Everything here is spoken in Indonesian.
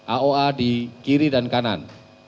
aoa di kiri dan kanan